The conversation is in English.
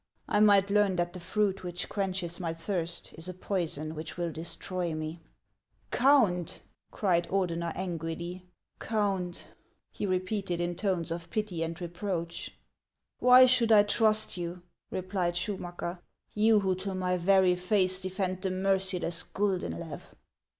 I might learn that the fruit which quenches my thirst is a poison which will destroy me." " Count !" cried Ordeuer, angrily ;" Count !" lie re peated, in tones of pity and reproach. "Why should I trust you," replied Schumacker, — "you who to my very face defend the merciless Guldenlew ?